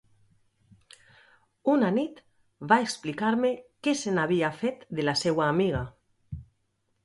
Una nit va explicar-me què se n’havia fet de la seua amiga.